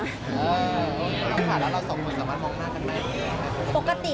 อ๋อแล้วเราสองคนสามารถมองหน้ากันไหม